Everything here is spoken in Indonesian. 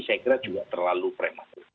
saya kira juga terlalu prematur